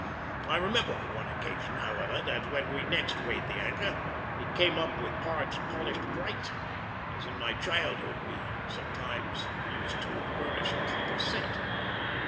I remember on one occasion, however, that when we next weighed the anchor, it came up with parts polished bright, as in my childhood we used sometimes to burnish a copper cent.